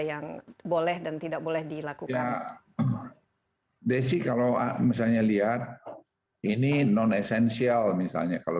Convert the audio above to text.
yang boleh dan tidak boleh dilakukan desi kalau misalnya lihat ini non esensial misalnya kalau